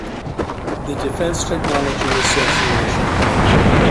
The defence technology association.